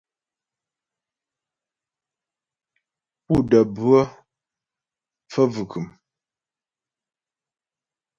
Pú də́ bhə phə́ bvʉ̀khʉm.